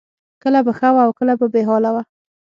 کله به ښه وه او کله به بې حاله وه